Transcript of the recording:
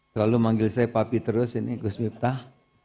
selalu manggil saya papi terus ini gus miftah